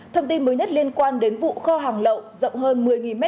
thông tin mới nhất liên quan đến vụ kho hàng lậu rộng hơn một mươi m hai